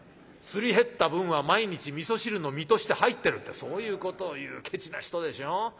すり減った分は毎日味噌汁の実として入ってる』ってそういうことを言うケチな人でしょ。